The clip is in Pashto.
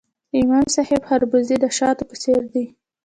د امام صاحب خربوزې د شاتو په څیر دي.